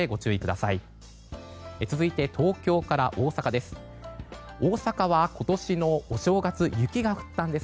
続いて、東京から大阪です。